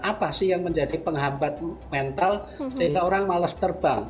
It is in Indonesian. apa sih yang menjadi penghambat mental sehingga orang malas terbang